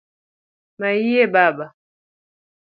Mayie Baba!